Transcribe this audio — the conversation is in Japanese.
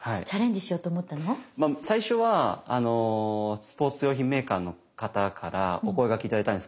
最初はスポーツ用品メーカーの方からお声がけ頂いたんです。